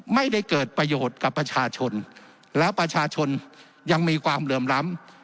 ไม่ได้เกิดประโยชน์กับประชาชนแล้วประชาชนยังมีความเหลื่อมล้ำ